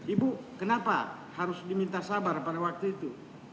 ibu kenapa harus diminta sabar pada waktu itu